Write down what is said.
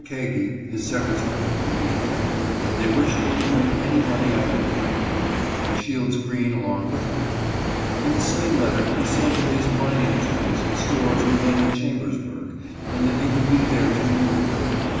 Kagi, his secretary, would 388 JOHN BROWN A FISHERMAN. be there, and they wished me to bring any money I could command, and Shields Green along with me. In the same letter, he said that his " mining tools " and stores were then at Chambersburg, and that he would be there to remove them.